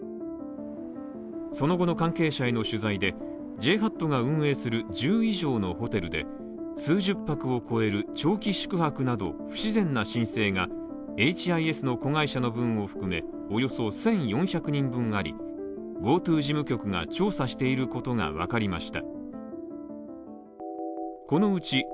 その後の関係者への取材で、ＪＨＡＴが運営する１０以上のホテルで数十泊を超える長期宿泊など不自然な申請が、エイチ・アイ・エスの子会社の分を含めおよそ１４００人分あり、ＧｏＴｏ事務局が調査していることがわかりました